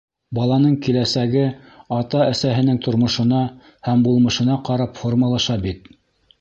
Баланың киләсәге ата-әсәһенең тормошона һәм булмышына ҡарап формалаша бит.